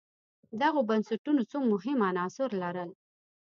دغو بنسټونو څو مهم عناصر لرل.